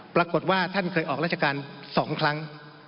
ปรากฏว่าท่านเคยออกราชการ๒ครั้ง